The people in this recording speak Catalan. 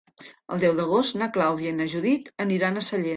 El deu d'agost na Clàudia i na Judit aniran a Sallent.